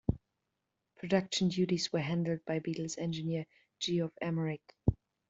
Production duties were handled by Beatles engineer Geoff Emerick.